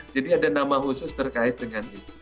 jadi ada nama khusus terkait dengan itu